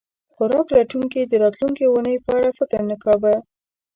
خوراک لټونکي د راتلونکې اوونۍ په اړه فکر نه کاوه.